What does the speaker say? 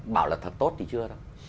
bảo là thật tốt thì chưa đâu